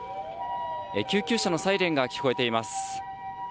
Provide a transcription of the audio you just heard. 救急車のサイレンが聞こえています。